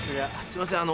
すいません